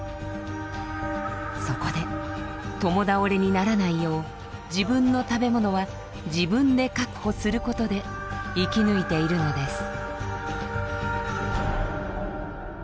そこで共倒れにならないよう自分の食べ物は自分で確保することで生き抜いているのです。